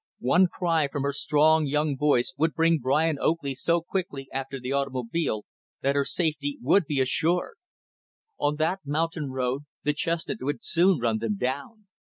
One cry from her strong, young voice would bring Brian Oakley so quickly after the automobile that her safety would be assured. On that mountain road, the chestnut would soon run them down.